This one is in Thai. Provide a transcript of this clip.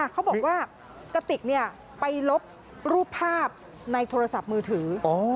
เขาบอกว่ากติกไปลบรูปภาพในโทรศัพท์มือถือ